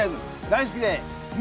大好きです。